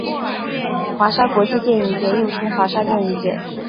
华沙国际电影节又作华沙电影节。